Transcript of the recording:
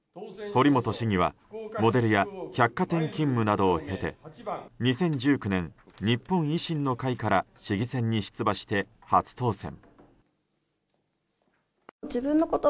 堀本市議はモデルや百貨店勤務などを経て２０１９年、日本維新の会から市議選に出馬して初当選。